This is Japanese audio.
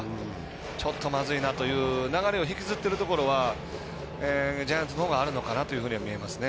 ちょっとまずいなという流れを引きずってるところはジャイアンツのほうがあるのかなというふうには思いますね。